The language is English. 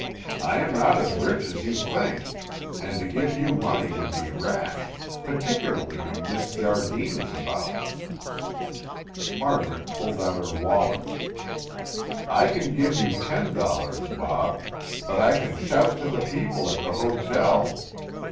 "I am not as rich as you think, and to give you money would be rash, particularly when Miss Jardine is about." Margaret pulled out her wallet. "I can give you ten dollars, Bob; but I can shout to the people at the hotel.